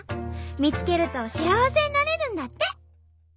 見つけると幸せになれるんだって！